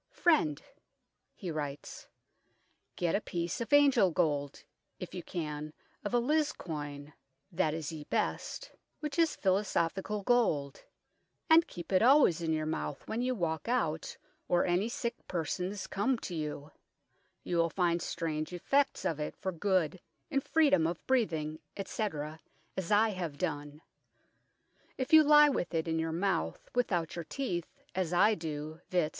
" Freind (he writes) get a piece of angellgold, if you can of Eliz. coine (that is ye best) which is phylo sophicall gold, and keepe it airways in your mouth when you walke out or any sicke persons come to you : you will find strange effects of it for good in freedome of breathing, etc., as I have done ; if you lye with it in your mouth without your teeth, as I doe, vizt.